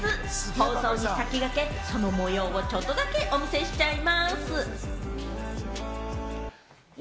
放送に先駆け、その模様をちょっとだけお見せしちゃいます！